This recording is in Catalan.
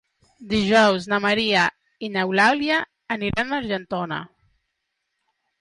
Dijous na Maria i n'Eulàlia aniran a Argentona.